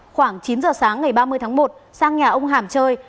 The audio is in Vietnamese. khoảng chín giờ sáng ngày ba mươi tháng một sang nhà ông hàm chơi